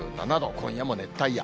今夜も熱帯夜。